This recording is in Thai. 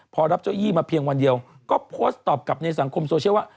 พอรับเจ้ายี่มาเพียงวันเดียวก็โพสต์ตอบกลับในสังคมโซเชียลว่า